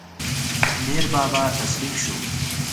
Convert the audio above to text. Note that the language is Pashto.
میربابا تسلیم شو.